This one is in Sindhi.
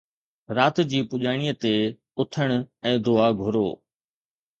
رات جي پڄاڻيءَ تي، اٿڻ ۽ دعا گهرو